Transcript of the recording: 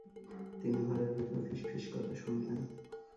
তিনি ঘরের ভেতর ফিসফিস কথা শুনলেন।